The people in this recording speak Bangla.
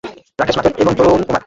রাকেশ মাথুর এবং চরণ কুমার।